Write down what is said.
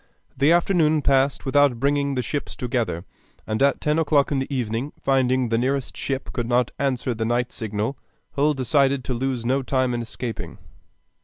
The afternoon passed without bringing the ships together, and at ten o'clock in the evening, finding that the nearest ship could not answer the night signal, Hull decided to lose no time in escaping.